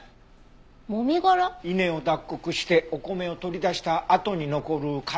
稲を脱穀してお米を取り出したあとに残る殻の事。